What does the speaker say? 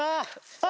あ！